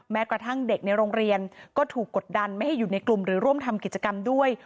แม้กระทั่งเด็กในโรงเรียนก็ถูกกดดันไม่ให้อยู่ในกลุ่มหรือร่วมทำกิจกรรมด้วย